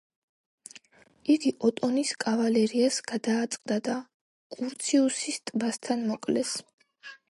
იგი ოტონის კავალერიას გადააწყდა და კურციუსის ტბასთან მოკლეს.